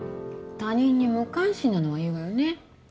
他人に無関心なのはいいわよね